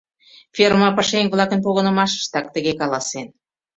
Ферма пашаеҥ-влакын погынымашыштак тыге каласен.